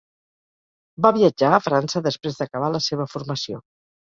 Va viatjar a França després d'acabar la seva formació.